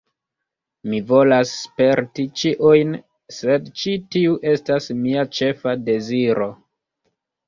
Mi volas sperti ĉiujn, sed ĉi tiu estas mia ĉefa deziro